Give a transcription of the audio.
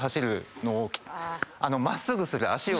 真っすぐする脚を。